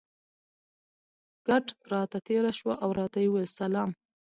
کټ ته را تېره شوه او راته یې وویل: سلام.